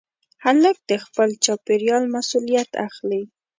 هلک د خپل چاپېریال مسؤلیت اخلي.